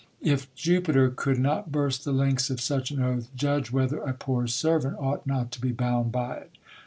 If Jupiter could not burst the links of such an oath, judge whether a poor serv ant ought not to be bound by it.